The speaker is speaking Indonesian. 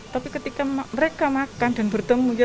tapi ketika mereka makan dan bertemu